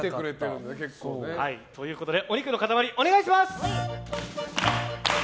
お肉の塊、お願いします！